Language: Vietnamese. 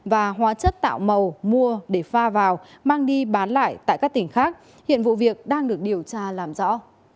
và hóa chất tạo màu mua để pha vào mang đi bán lại tại các tỉnh khác hiện vụ việc đang được điều tra làm rõ